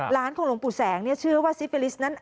ของหลวงปู่แสงเนี่ยเชื่อว่าซิปิลิสต์นั้น